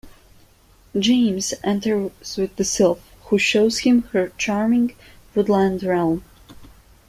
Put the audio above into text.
James enters with the sylph who shows him her charming, woodland realm.